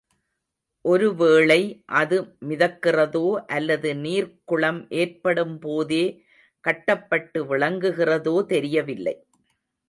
ஒரு வேளை அது மிதக்கிறதோ அல்லது நீர்க்குளம் ஏற்படும்போதே கட்டப்பட்டு விளங்குகிறதோ தெரியவில்லை.